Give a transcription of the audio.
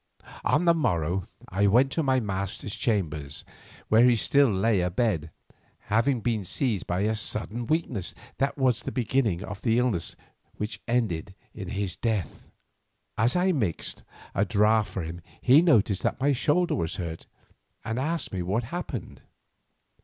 On the morrow I went to my master's chamber where he still lay abed, having been seized by a sudden weakness that was the beginning of the illness which ended in his death. As I mixed a draught for him he noticed that my shoulder was hurt and asked me what had happened.